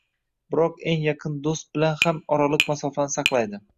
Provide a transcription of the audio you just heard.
Biroq eng yaqin doʼst bilan ham oraliq masofani saqlaydi.